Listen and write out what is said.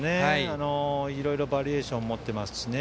いろいろバリエーションを持っていますね。